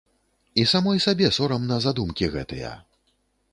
І самой сабе сорамна за думкі гэтыя!